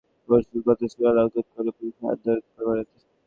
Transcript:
সাবেক England cricket অধিনায়ক পরশু গতিসীমা লঙ্ঘন করে পুলিশের হাতে ধরা পড়েন।